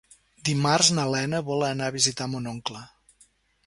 Dimarts na Lena vol anar a visitar mon oncle.